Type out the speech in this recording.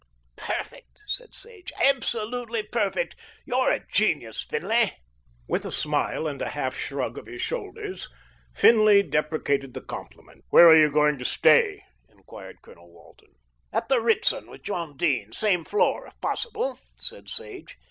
"Perfect," said Sage, "absolutely perfect. You're a genius, Finlay." With a smile and a half shrug of his shoulders, Finlay deprecated the compliment. "Where are you going to stay?" enquired Colonel Walton. "At the Ritzton with John Dene, same floor if possible," said Sage.